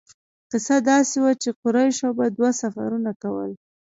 کیسه داسې وه چې قریشو به دوه سفرونه کول.